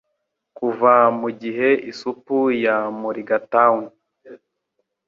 Kuva mu Gihe Isupu ya Mulligatawny